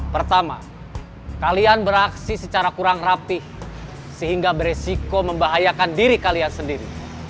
pertama kalian beraksi secara kurang rapih sehingga beresiko membahayakan diri kalian sendiri